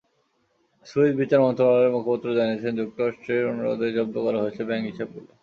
Swiss বিচার মন্ত্রণালয়ের মুখপাত্র জানিয়েছেন যুক্তরাষ্ট্রের অনুরোধেই জব্দ করা হয়েছে ব্যাংক হিসাবগুলো।